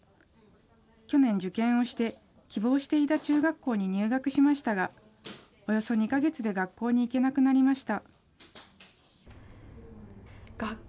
去年、受験をして、希望していた中学校に入学しましたが、およそ２か月で学校に行けなくなりました。